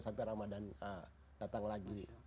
sampai ramadan datang lagi